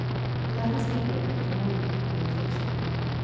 Let us beware of murmuring under affliction.